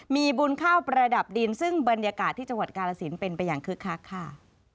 มีบุญข้าวประดับดินซึ่งบรรยากาศที่จังหวัดกาลสินเป็นไปอย่างคึกคักค่ะ